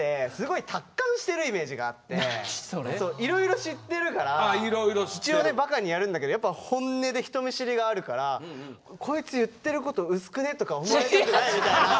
いろいろ知ってるから一応ねバカにやるんだけどやっぱホンネで人見知りがあるから「こいつ言ってること薄くね」とか思われたくないみたいな。